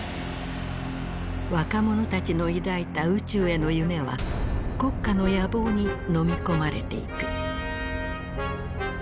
若者たちの抱いた宇宙への夢は国家の野望にのみ込まれていく。